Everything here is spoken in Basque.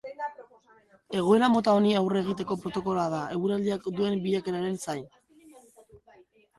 Egoera mota honi aurre egiteko protokoloa da, eguraldiak duen bilakaeraren zain.